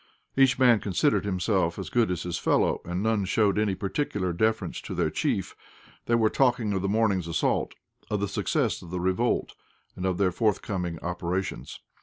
Each man considered himself as good as his fellow, and none showed any particular deference to their chief. They were talking of the morning's assault, of the success of the revolt, and of their forthcoming operations.